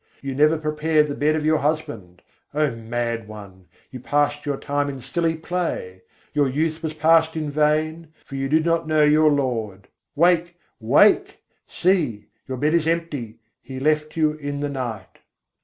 You never prepared the bed of your husband: O mad one! you passed your time in silly play. Your youth was passed in vain, for you did not know your Lord; Wake, wake! See! your bed is empty: He left you in the night.